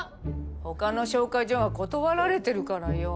他の紹介所が断られてるからよ。